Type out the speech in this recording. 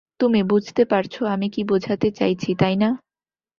তুমি বুঝতে পারছো আমি কী বোঝাতে চাইছি, তাই না?